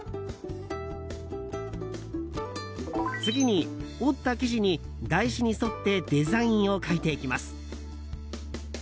次に折った生地に台紙に沿ってデザインを描いていきます。